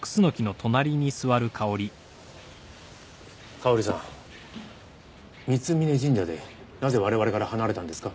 香織さん三峯神社でなぜ我々から離れたんですか？